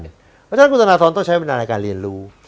เพราะฉะนั้นคุณธนทรต้องใช้เวลาในการเรียนรู้